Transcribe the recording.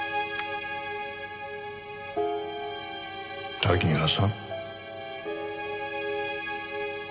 多岐川さん。